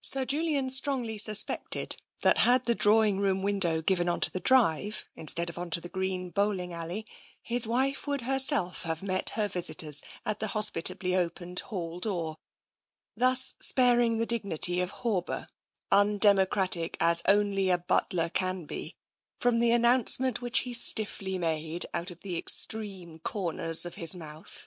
Sir Julian strongly suspected that had the drawing room window given on to the drive, instead of on to the green bowling alley, his wife would herself have met her visitors at the hospitably opened hall door, thus sparing the dignity of Horber, undemocratic as only a butler can be, from the announcement which he stiffly made out of the extreme corners of his mouth.